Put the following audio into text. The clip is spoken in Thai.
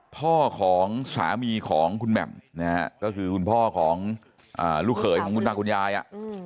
พ่อของสามีของคุณแหม่มนะฮะก็คือคุณพ่อของลูกเขยของคุณตาคุณยายอ่ะ